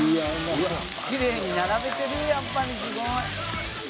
きれいに並べてるやっぱりすごい。